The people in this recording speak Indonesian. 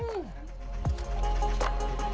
tungku pembakaran ini menurut saya